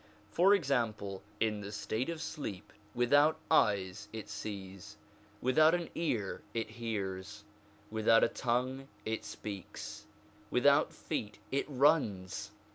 For example, in the state of sleep without eyes it sees, without an ear it hears, without a tongue it speaks, without feet it runs.